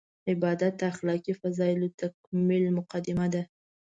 عبادت د اخلاقي فضایلو تکمیل مقدمه ده.